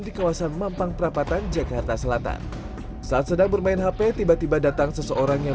di kawasan mampang perapatan jakarta selatan saat sedang bermain hp tiba tiba datang seseorang yang